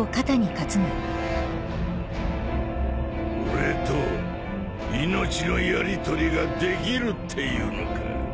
俺と命のやりとりができるっていうのか？